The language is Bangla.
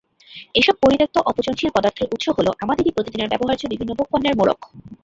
এসব পরিত্যক্ত অপচনশীল পদার্থের উৎস হলো আমাদেরই প্রতিদিনের ব্যবহার্য বিভিন্ন ভোগ্যপণ্যের মোড়ক।